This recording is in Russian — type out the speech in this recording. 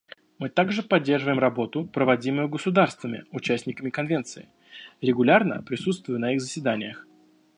Мы также поддерживаем работу, проводимую государствами — участниками Конвенции, регулярно присутствуя на их заседаниях.